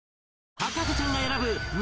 博士ちゃんが選ぶ胸